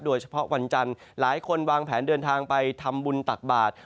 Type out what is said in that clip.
โดยเฉพาะวันจันทร์หลายคนวางแผนเดินทางไปทำบุญตัดบาตร